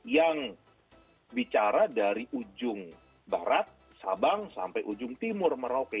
yang bicara dari ujung barat sabang sampai ujung timur merauke